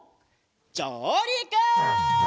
じょうりく！